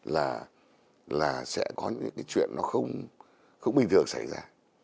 là sẽ có những cái chuyện nó không bình thường xảy ra